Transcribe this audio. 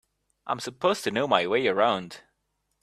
I'm supposed to know my way around.